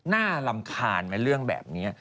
น่ารำคาญในเรื่องแบบนี้